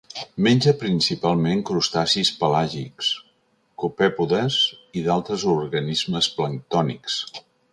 Menja principalment crustacis pelàgics, copèpodes i d'altres organismes planctònics.